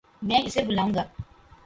میں اسے بلاوں گا